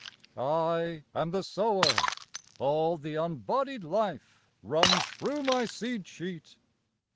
I am the Sower. All the unbodied life Runs through my seed sheet.